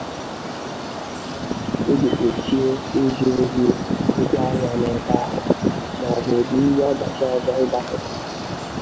iji gbochie izu ohi ngwaahịa n'ebe ahụ maọbụ ụdị ihe ọdachi ọzọ ịdapụta.